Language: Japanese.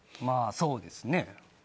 まあそうですね。